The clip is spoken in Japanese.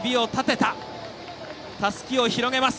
たすきをひろげます。